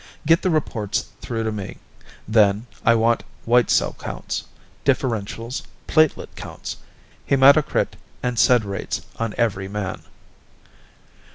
"Get the reports through to me, then. I want white cell counts, differentials, platelet counts, hematocrit and sed rates on every man."